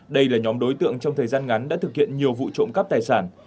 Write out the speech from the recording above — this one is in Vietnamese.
đây là nhóm đối tượng trong thời gian ngắn đã thực hiện nhiều vụ trộm cắp tài sản